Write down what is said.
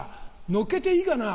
乗っけていいかな？